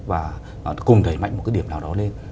và cùng đẩy mạnh một cái điểm nào đó lên